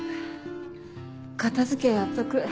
片付けやっとく。